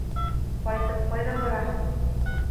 Ҡайтып ҡайҙа бараһың?